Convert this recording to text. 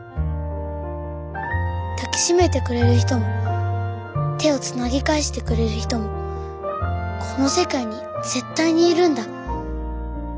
抱き締めてくれる人も手をつなぎ返してくれる人もこの世界に絶対にいるんだ。